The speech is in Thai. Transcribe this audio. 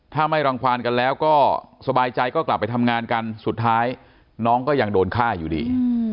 ถ้าไม่รังความกันแล้วก็สบายใจก็กลับไปทำงานกันสุดท้ายน้องก็ยังโดนฆ่าอยู่ดี